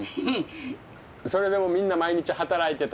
それでもみんな毎日働いてた？